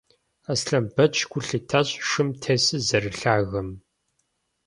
Аслъэнбэч гу лъитащ шым тесыр зэрылъагэм.